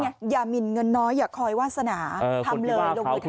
นี้ไงอย่ามิ่นเงินน้อยอย่าคอยวาสนา